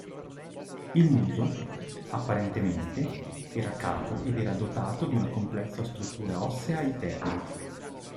Il muso, apparentemente, era cavo ed era dotato di una complessa struttura ossea interna.